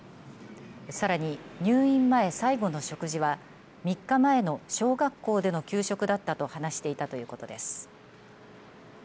さらに入院前、最後の食事は３日前の小学校での給食だったと話していたということです。